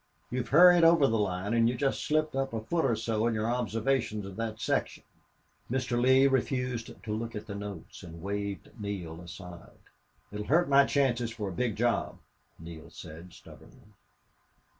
You've hurried over the line and you just slipped up a foot or so in your observations of that section." Mr. Lee refused to look at the notes and waved Neale aside. "It'll hurt my chances for a big job," Neale said, stubbornly.